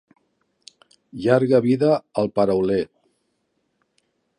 Llarga vida al parauler.